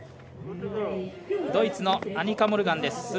ドイツのアニカ・モルガンです。